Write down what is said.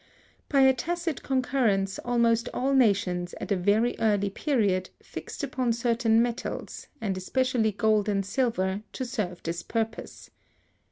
By a tacit concurrence, almost all nations, at a very early period, fixed upon certain metals, and especially gold and silver, to serve this purpose.